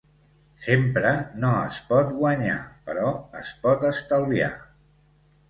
Sempre no es pot guanyar, però es pot estalviar.